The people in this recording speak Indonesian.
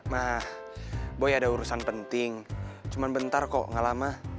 nah boy ada urusan penting cuma bentar kok gak lama